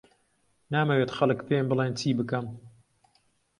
نامەوێت خەڵک پێم بڵێن چی بکەم.